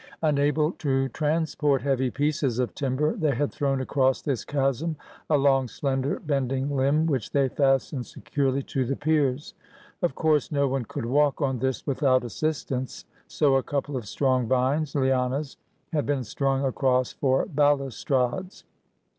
Unable to transport heavy pieces of timber, they had thrown across this chasm a long, slender, bending limb, which they fastened securely to the "piers." Of course no one could walk on this with out assistance, so a couple of strong vines (lianas) had been strung across for balustrades.